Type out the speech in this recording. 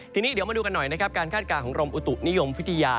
ทีนี้เดี๋ยวมาดูกันหน่อยนะครับการคาดการณ์ของกรมอุตุนิยมวิทยา